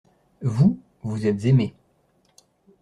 Vous, vous êtes aimés.